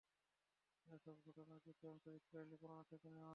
এসব ঘটনার কিছু অংশ ইসরাঈলী বর্ণনা থেকে নেয়া।